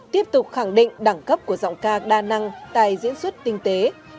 tiếp tục khẳng định đẳng cấp của giọng ca đa năng tài diễn xuất tinh tế